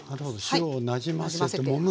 塩をなじませてもむ。